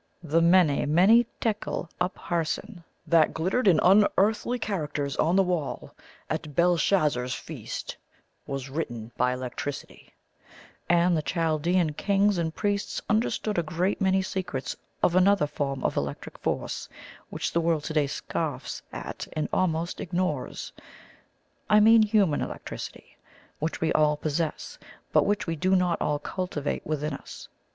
The 'MENE, MENE, TEKEL, UPHARSIN' that glittered in unearthly characters on the wall at Belshazzar's feast, was written by electricity; and the Chaldean kings and priests understood a great many secrets of another form of electric force which the world to day scoffs at and almost ignores I mean human electricity, which we all possess, but which we do not all cultivate within us.